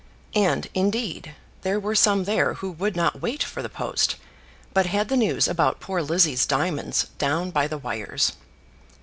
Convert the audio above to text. And, indeed, there were some there who would not wait for the post, but had the news about poor Lizzie's diamonds down by the wires.